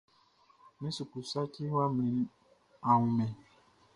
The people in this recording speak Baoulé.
Mi suklu saci ya mlinnin, a wunman?